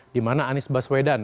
dimana anies baswedan